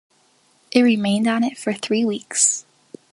It remained on it for three weeks.